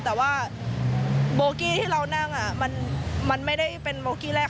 แต่ว่าโบกี้ที่เรานั่งมันไม่ได้เป็นโบกี้แรก